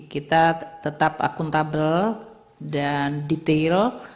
kita tetap akuntabel dan detail